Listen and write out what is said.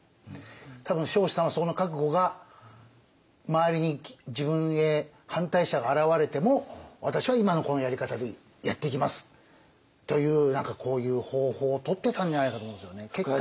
多分彰子さんはその覚悟が周りに自分へ反対者が現れても私は今のこのやり方でやっていきますという何かこういう方法をとってたんじゃないかと思うんですよね。